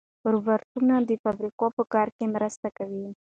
روبوټونه د فابریکو په کارونو کې مرسته کوي.